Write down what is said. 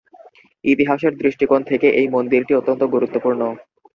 ইতিহাসের দৃষ্টিকোণ থেকে এই মন্দিরটি অত্যন্ত গুরুত্বপূর্ণ।